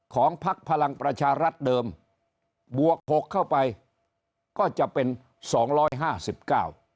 พักพลังประชารัฐเดิมบวกหกเข้าไปก็จะเป็นสองร้อยห้าสิบเก้า